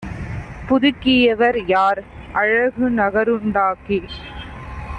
புதுக்கியவர் யார்? அழகு நகருண் டாக்கிச்